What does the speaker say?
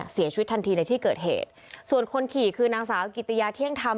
เสียชีวิตทันทีในที่เกิดเหตุส่วนคนขี่คือนางสาวกิติยาเที่ยงธรรม